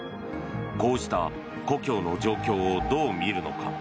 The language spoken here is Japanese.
こうした故郷の状況をどう見るのか？